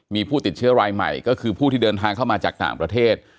มีผู้ติดเชื้อรายใหม่ก็คือผู้ที่เดินทางเข้ามาจากต่างประเทศ